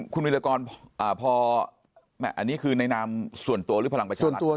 คุณวิรากรพออันนี้คือในนามส่วนตัวหรือพลังประชารัฐ